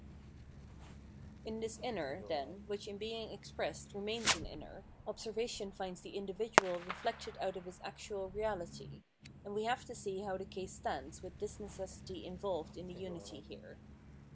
VOL. I.— X 306 Phenomenology of Mind la this inner, then, which, in being expressed remains an inner, observation finds the individual reflected out of Ms actual reality ; and we have to see how the case stands with this necessity involved in the unity here.